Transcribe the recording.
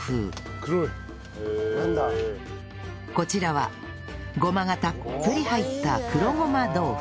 こちらはごまがたっぷり入った黒胡麻豆腐